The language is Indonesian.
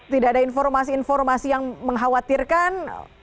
tidak ada informasi informasi yang mengkhawatirkan